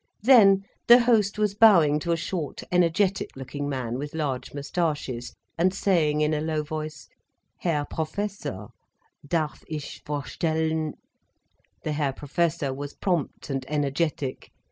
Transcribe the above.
Then, the host was bowing to a short, energetic looking man with large moustaches, and saying in a low voice: "Herr Professor, darf ich vorstellen—" The Herr Professor was prompt and energetic.